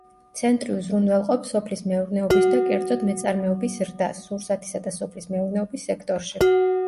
ცენტრი უზრუნველყოფს სოფლის მეურნეობის და კერძოდ მეწარმეობის ზრდას, სურსათისა და სოფლის მეურნეობის სექტორში.